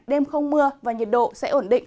đêm không mưa và nhiệt độ sẽ ổn định